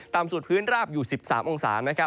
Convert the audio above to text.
ต่ำสุดพื้นราบอยู่๑๓องศา